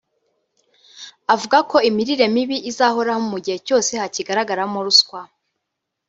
avuga ko imirire mibi izahoraho mu gihe cyose hakigaragaramo ruswa